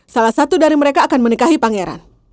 salah satu dari mereka akan menikahi pangeran